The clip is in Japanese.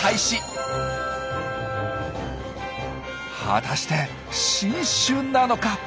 果たして新種なのか！？